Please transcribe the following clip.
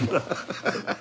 ハハハハ。